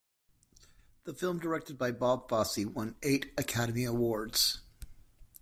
The film, directed by Bob Fosse, won eight Academy Awards.